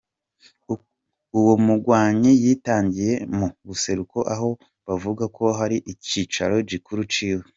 Uwo mugwanyi yitangiye mu buseruko aho bavuga ko hari icicaro gikuru ciwe.